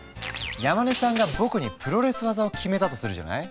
山根さんが僕にプロレス技を決めたとするじゃない？